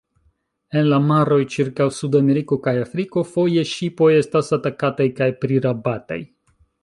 En la maroj ĉirkaŭ Sud-Ameriko kaj Afriko foje ŝipoj estas atakataj kaj prirabataj.